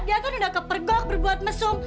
dia kan udah kepergok berbuat mesum